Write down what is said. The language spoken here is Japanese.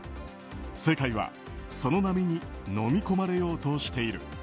世界はその波にのみ込まれようとしている。